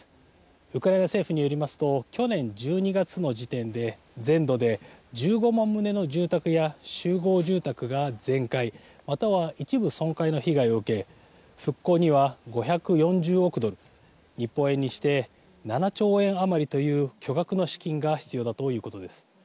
ウクライナ政府によりますと去年１２月の時点で全土で１５万棟の住宅や集合住宅が全壊または一部損壊の被害を受け復興には５４０億ドル日本円にして７兆円余りという巨額の資金が必要だということです。